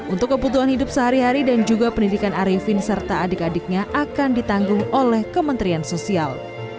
untuk kebutuhan hidup sehari hari dan juga pendidikan arifin serta adik adiknya akan ditanggung oleh kementerian sosial